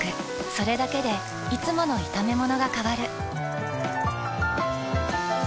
それだけでいつもの炒めものが変わる。